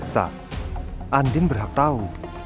sa andin berhak tahu